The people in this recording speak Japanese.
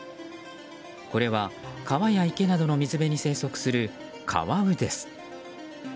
これは川や池などの水辺に生息するカワウです。